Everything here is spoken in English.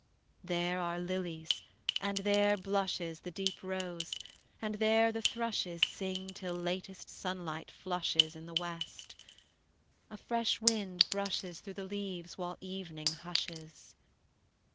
There are lilies, and there blushes The deep rose, and there the thrushes Sing till latest sunlight flushes In the west; a fresh wind brushes Through the leaves while evening hushes.